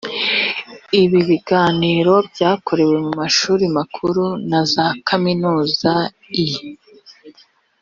ibi biganiro byakorewe mu mashuri makuru na za kaminuza i